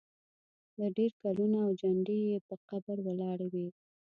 نه ډېر ګلونه او جنډې یې پر قبر ولاړې وې.